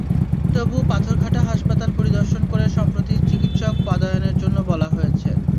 তবু পাথরঘাটা হাসপাতাল পরিদর্শন করে সম্প্রতি চিকিৎসক পদায়নের জন্য বলা হয়েছে।